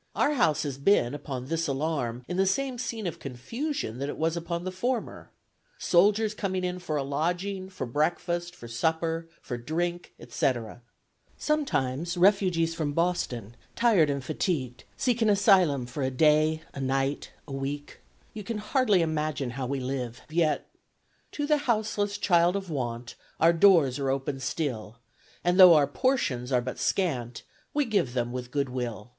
... Our house has been, upon this alarm, in the same scene of confusion that it was upon the former. Soldiers coming in for a lodging, for breakfast, for supper, for drink, etc. Sometimes refugees from Boston, tired and fatigued, seek an asylum for a day, a night, a week. You can hardly imagine how we live; yet, To the houseless child of want, Our doors are open still; And though our portions are but scant, We give them with good will.